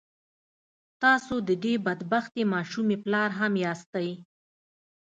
تاسو د دې بد بختې ماشومې پلار هم ياستئ.